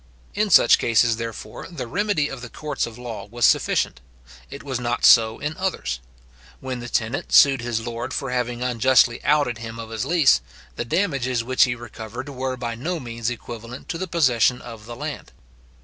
In such cases, therefore, the remedy of the courts of law was sufficient. It was not so in others. When the tenant sued his lord for having unjustly outed him of his lease, the damages which he recovered were by no means equivalent to the possession of the land.